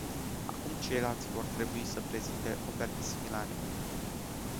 Acum ceilalți vor trebui să prezinte oferte similare.